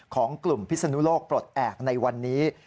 ของกลุ่มพิศนุโลกปลดแอบในวันนี้